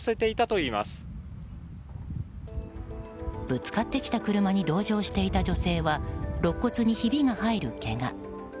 ぶつかってきた車に同乗していた女性は肋骨にひびが入るけが。